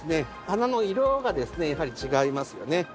花の色がですねやはり違いますよね。